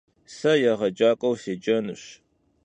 Se yêğecak'ueu sêcenuş.